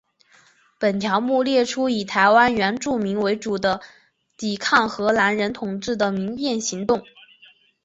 本条目列出以台湾原住民为主的抵抗荷兰人统治的民变行动。